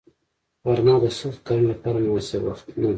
غرمه د سختو کارونو لپاره مناسب وخت نه دی